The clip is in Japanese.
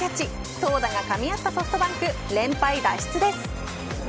投打がかみ合ったソフトバンク連敗脱出です。